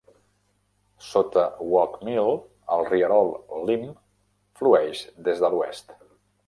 Sota Walk Mill, el rierol Limb flueix des de l'oest.